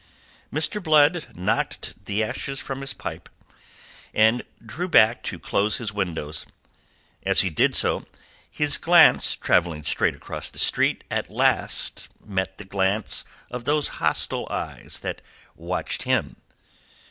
Mr. Blood knocked the ashes from his pipe, and drew back to close his window. As he did so, his glance travelling straight across the street met at last the glance of those hostile eyes that watched him.